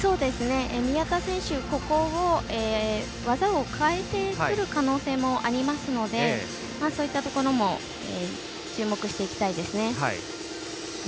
宮田選手、ここを技を変えてくる可能性もありますのでそういったところも注目していきたいですね。